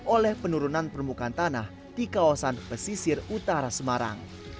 oleh penurunan permukaan tanah di kawasan pesisir utara semarang